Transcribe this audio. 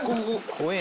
怖え。